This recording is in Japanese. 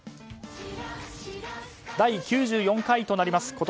第９４回となります